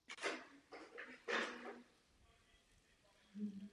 Během války za nezávislost byl zdejší region dobyt izraelskými silami.